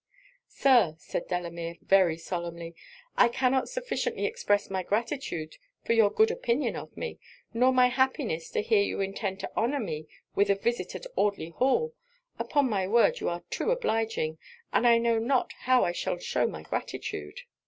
'Sir,' said Delamere, very solemnly, 'I cannot sufficiently express my gratitude for your good opinion of me; nor my happiness to hear you intend to honour me with a visit at Audley Hall. Upon my word you are too obliging, and I know not how I shall shew my gratitude!'